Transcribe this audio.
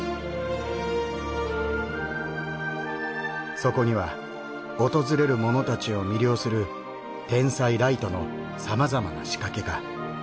そこには訪れる者たちを魅了する天才ライトのさまざまな仕掛けが。